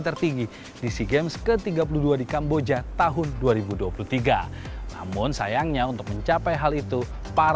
pilihannya hanya ada dua